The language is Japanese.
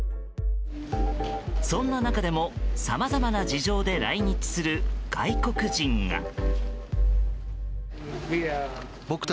そんな中でも、さまざまな事情で来日する外国人が。